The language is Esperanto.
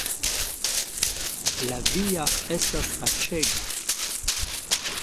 La via estas aĉega